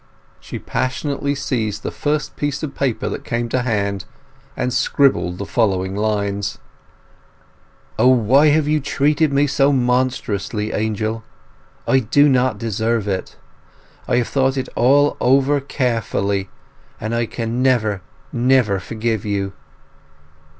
She passionately seized the first piece of paper that came to hand, and scribbled the following lines: O why have you treated me so monstrously, Angel! I do not deserve it. I have thought it all over carefully, and I can never, never forgive you!